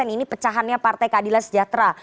ini pecahannya partai keadilan sejahtera